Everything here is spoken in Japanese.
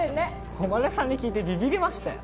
誉さんに聞いてビビりましたよ。